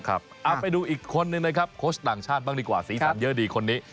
เอาไปดูอีกคนนึงนะครับโค้ชต่างชาติบ้างดีกว่าสีสันเยอะดีคนนี้